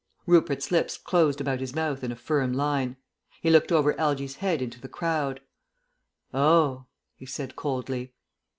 Rupert's lips closed about his mouth in a firm line. He looked over Algy's head into the crowd. "Oh!" he said coldly.